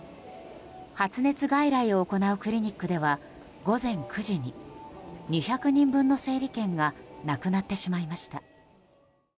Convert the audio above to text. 発熱外来を行うクリニックでは午前９時に２００人分の整理券がなくなってしまいました。